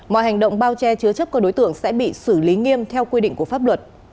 mọi hành động bao che chứa chấp các đối tượng sẽ bị xử lý nghiêm theo quy định của pháp luật